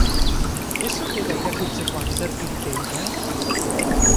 Ez ote da irakurtzeko antzerkirik egiten?